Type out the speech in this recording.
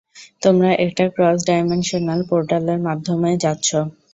তোমরা একটা ক্রস-ডাইমেনশনাল পোর্টালের মাধ্যমে যাচ্ছ!